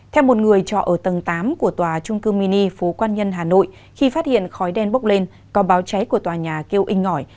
theo một người trọ ở tầng tám của tòa trung cư mini phố quan nhân hà nội khi phát hiện khói đen bốc lên có báo cháy của tòa nhà kêu inh ngỏi